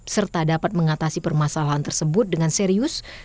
serta dapat mengatasi permasalahan tersebut dengan serius